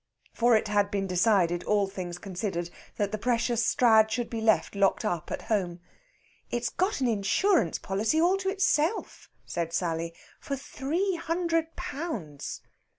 For it had been decided, all things considered, that the precious Strad should be left locked up at home. "It's got an insurance policy all to itself," said Sally, "for three hundred pounds."